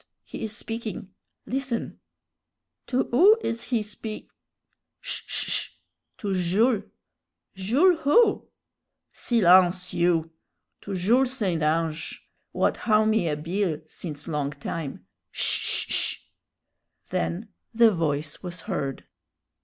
he is speaking; listen!" "To who is he speak ?" "Sh sh sh! to Jules." "Jules who?" "Silence, you! To Jules St. Ange, what howe me a bill since long time. Sh sh sh!" Then the voice was heard.